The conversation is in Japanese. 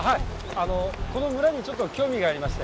あのこの村にちょっと興味がありまして。